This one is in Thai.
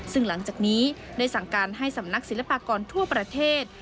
ซึ่งหลังจากนี้ได้สั่งการให้สำนักศิลปากรทั่วประเทศ